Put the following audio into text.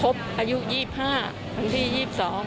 อายุ๒๕วันที่๒๒